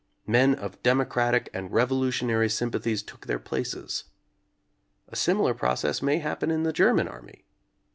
Men of democratic and revolutionary sympathies took their places. A similar process may happen in the German army.